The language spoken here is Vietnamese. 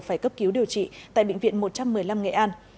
phải cấp cứu điều trị tại bệnh viện một trăm một mươi năm nghệ an